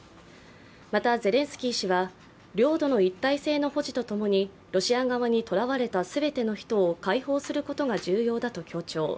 また、ゼレンスキー氏は領土の一体性の保持とともにロシア側に捕らわれた全ての人を解放することが重要だと強調。